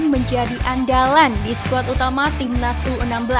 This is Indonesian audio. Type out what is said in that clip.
menjadi andalan di squad utama timnas u enam belas